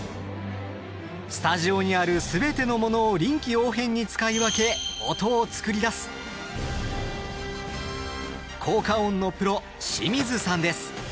スタジオにあるすべてのものを臨機応変に使い分け音を作り出す効果音のプロ、清水さんです。